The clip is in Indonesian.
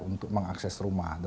untuk mengakses rumah